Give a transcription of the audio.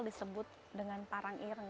disebut dengan parang irang